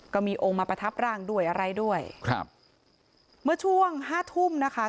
ก็มีองค์มาประทับร่างด้วยอะไรด้วยครับเมื่อช่วงห้าทุ่มนะคะ